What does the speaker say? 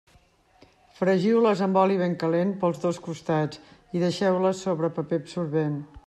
Fregiu-les amb oli ben calent pels dos costats i deixeu-les sobre paper absorbent.